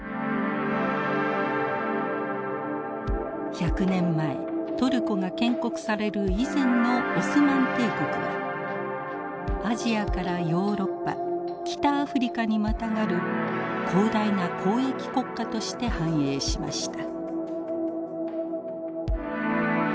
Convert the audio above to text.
１００年前トルコが建国される以前のオスマン帝国はアジアからヨーロッパ北アフリカにまたがる広大な交易国家として繁栄しました。